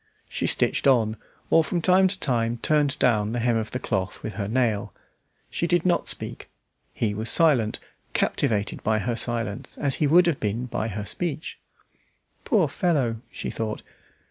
She stitched on, or from time to time turned down the hem of the cloth with her nail. She did not speak; he was silent, captivated by her silence, as he would have been by her speech. "Poor fellow!" she thought.